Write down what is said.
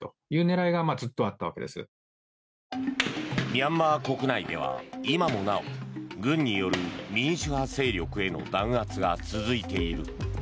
ミャンマー国内では今もなお軍による民主派勢力への弾圧が続いている。